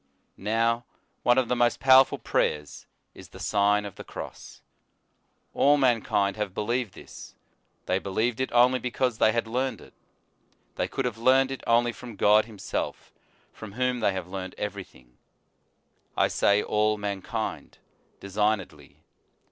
Now, one of v the most powerful prayers is the Sign of the Cross. All mankind have believed this, They believed it only because they had learned it; they could have learned it only from God Himself, from whom they In the Nineteenth Century. 91 have learned everything. I say all mankind, designedly.